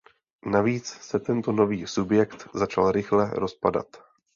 Navíc se tento nový subjekt začal rychle rozpadat.